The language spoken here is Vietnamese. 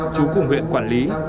chú cùng huyện quản lý